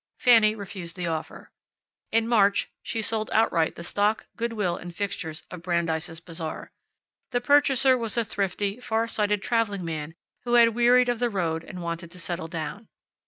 Fanny refused the offer. In March she sold outright the stock, good will, and fixtures of Brandeis' Bazaar. The purchaser was a thrifty, farsighted traveling man who had wearied of the road and wanted to settle down.